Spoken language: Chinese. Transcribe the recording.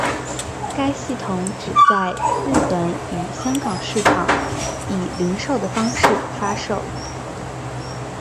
该系统只在日本与香港市场以零售的方式发售。